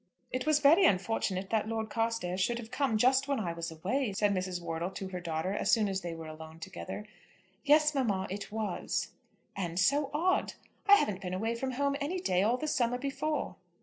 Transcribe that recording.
"It was very unfortunate that Lord Carstairs should have come just when I was away," said Mrs. Wortle to her daughter as soon as they were alone together. "Yes, mamma; it was." "And so odd. I haven't been away from home any day all the summer before."